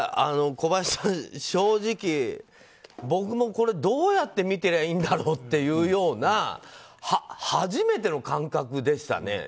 小林さん、正直僕もこれどうやって見てりゃいいんだろうっていうような初めての感覚でしたね。